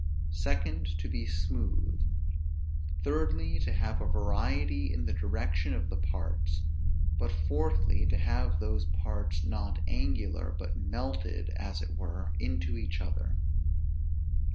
Secondly, to be smooth. Thirdly, to have a variety in the direction of the parts; but, fourthly, to have those parts not angular, but melted, as it were, into each other.